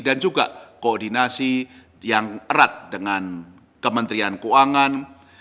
dan juga koordinasi yang erat dengan kementerian keuangan